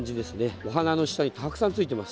お花の下にたくさんついています。